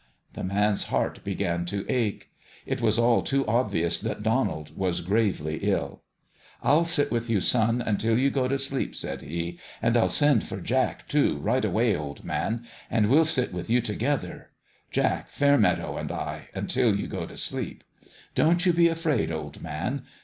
The man's heart began to ache. It was all too ob vious that Donald was gravely ill. " I'll sit with you, son, until you go to sleep," said he ;" and I'll send for Jack, too, right away, old man, and we'll sit with you together, Jack Fairmeadow and I until you go to sleep. Don't you be afraid, old man.